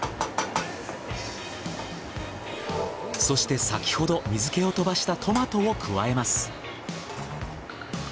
そして先ほど水気を飛ばしたトマトを加えます。